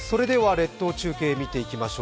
列島中継見ていきましょう